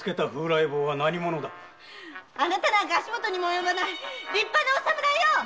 あなたなんか足元にも及ばない立派なお侍よ。